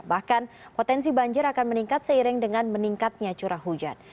bahkan potensi banjir akan meningkat seiring dengan meningkatnya curah hujan